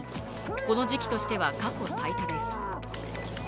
この時期としては過去最多です。